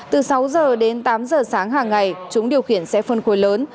từ sáu giờ đến tám giờ sáng hàng ngày chúng điều khiển xe phân khối lớn